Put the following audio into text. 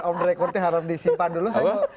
jadi om drek hurti harus disimpan dulu